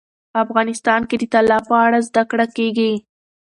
افغانستان کې د طلا په اړه زده کړه کېږي.